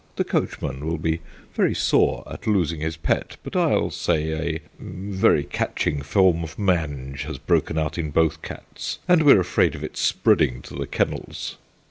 The coachman will be very sore at losing his pet, but I'll say a very catching form of mange has broken out in both cats and we're afraid of it spreading to the kennels."